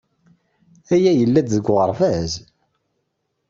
Aya yella-d deg uɣerbaz.